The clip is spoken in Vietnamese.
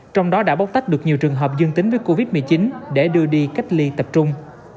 trong đó đã bóc tách được nhiều trường hợp dương tính với covid một mươi chín để đưa đi cách ly tập trung